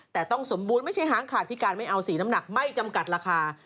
แต่ต้องสมบูรณ์ไม่ใช่หางขาดพิการไม่เอาสีน้ำหนักไม่จำกัดราคา